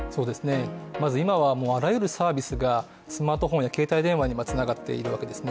まず今はあらゆるサービスがスマートフォンや携帯電話につながっているわけですね。